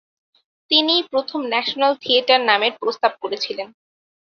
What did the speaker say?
তিনিই প্রথম national theatre নামের প্রস্তাব করেছিলেন।